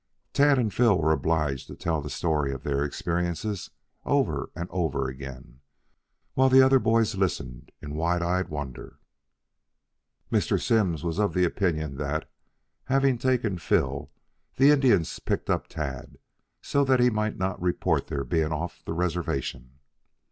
Tad and Phil were obliged to tell the story of their experiences over and over again, while the other boys listened in wide eyed wonder. Mr. Simms was of the opinion that, having taken Phil, the Indians picked up Tad so that he might not report their being off the reservation.